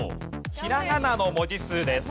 ひらがなの文字数です。